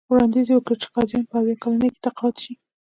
وړاندیز یې وکړ چې قاضیان په اویا کلنۍ کې تقاعد شي.